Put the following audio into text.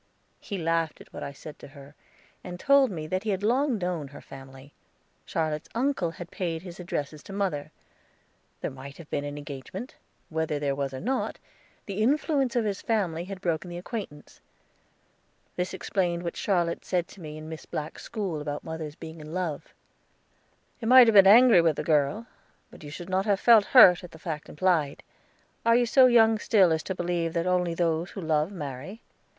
He laughed at what I said to her, and told me that he had long known her family. Charlotte's uncle had paid his addresses to mother. There might have been an engagement; whether there was or not, the influence of his family had broken the acquaintance. This explained what Charlotte said to me in Miss Black's school about mother's being in love. "You might have been angry with the girl, but you should not have felt hurt at the fact implied. Are you so young still as to believe that only those who love marry?